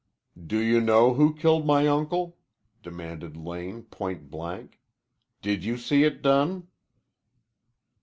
"Do you know who killed my uncle?" demanded Lane point blank. "Did you see it done?"